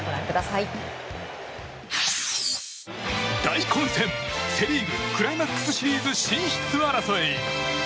大混戦、セ・リーグクライマックスシリーズ進出争い！